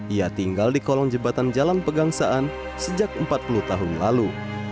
ia tinggal di kolong jembatan jalan pegangsaan sejak empat puluh tahun lalu